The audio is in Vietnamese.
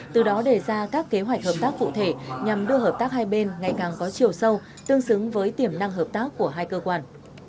từ đó đề ra các kế hoạch hợp tác cụ thể nhằm đưa hợp tác hai bên ngày càng có chiều sâu tương xứng với tiềm năng hợp tác của hai cơ quan